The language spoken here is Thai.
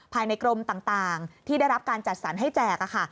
ภายในกรมต่างที่ได้รับการจัดสรรให้แจก